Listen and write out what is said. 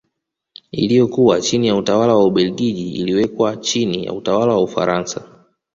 Iliyokuwa chini ya utawala wa Ubelgiji iliwekwa chini ya utawala wa Ufaransa